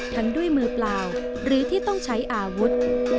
ด้วยมือเปล่าหรือที่ต้องใช้อาวุธ